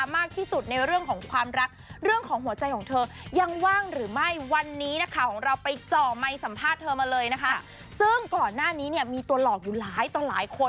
มาเลยนะคะซึ่งก่อนหน้านี้เนี้ยมีตัวหล่ออยู่หลายต่อหลายคน